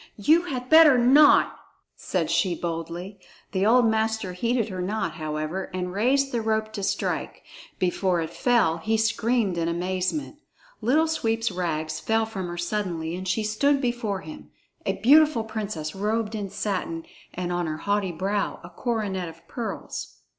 "You had better not," said she boldly. The old master heeded her not, however, and raised the rope to strike. Before it fell, he screamed in amazement! Little Sweep's rags fell from her suddenly, and she stood before him, a beautiful princess robed in satin, and on her haughty brow a coronet of pearls.